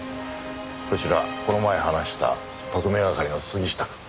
こちらこの前話した特命係の杉下くん。